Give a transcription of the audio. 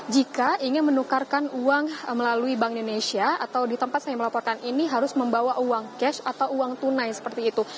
jika ingin menukarkan uang melalui bank indonesia atau di tempat saya melaporkan ini harus membawa uang cash atau uang tunai seperti itu